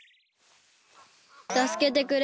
たすけてくれ。